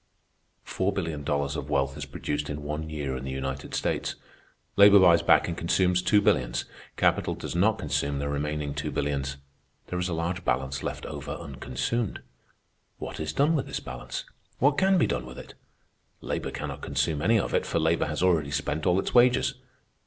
Four billion dollars of wealth is produced in one year in the United States. Labor buys back and consumes two billions. Capital does not consume the remaining two billions. There is a large balance left over unconsumed. What is done with this balance? What can be done with it? Labor cannot consume any of it, for labor has already spent all its wages.